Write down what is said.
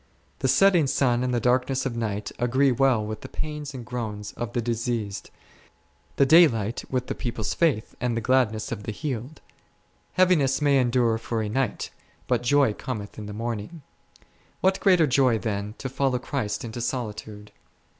The setting sun and the darkness of night agree well with the pains and groans of the diseased ; the daylight with the people's faith and the gladness of the healed ; heaviness may endure for a night, hut joy cometh in the morning ; what greater joy than to follow Christ into solitude